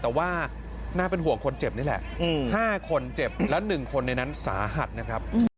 แต่ว่าน่าเป็นห่วงคนเจ็บนี่แหละ๕คนเจ็บและ๑คนในนั้นสาหัสนะครับ